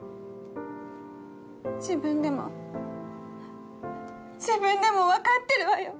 自分でも自分でもわかってるわよ